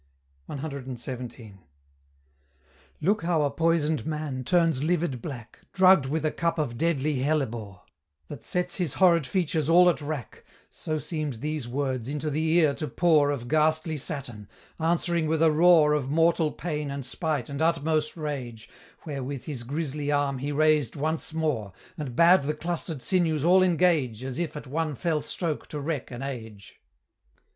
CXVII. Look how a poison'd man turns livid black, Drugg'd with a cup of deadly hellebore, That sets his horrid features all at rack, So seem'd these words into the ear to pour Of ghastly Saturn, answering with a roar Of mortal pain and spite and utmost rage, Wherewith his grisly arm he raised once more, And bade the cluster'd sinews all engage, As if at one fell stroke to wreck an age.